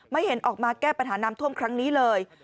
ไม่เห็นออกมาแก้ปัญหาน้ำท่วมครั้งนี้เลย